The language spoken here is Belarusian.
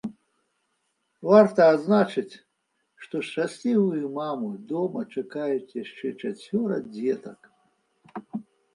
Варта адзначыць, што шчаслівую маму дома чакаюць яшчэ чацвёра дзетак.